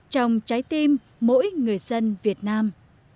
trong trái tim mỗi người dân việt nam